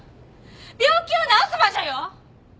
病気を治す場所よ！